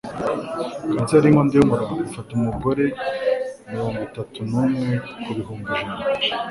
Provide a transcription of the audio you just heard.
kanseri y'inkondo y'umura ifata abagore mirongo itatu n,umwe ku bihumbi ijana